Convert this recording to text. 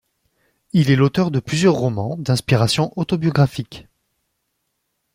Il est l'auteur de plusieurs romans, d'inspiration autobiographique.